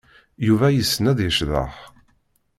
Yuba yessen ad yecḍeḥ.